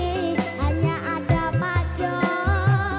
di hati ini hanya ada pak jokowi